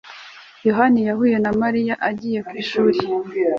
yohana yahuye na mariya agiye ku ishuri